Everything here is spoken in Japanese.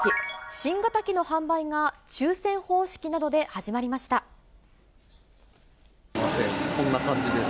新型機の販売が抽せん方式などでこんな感じです。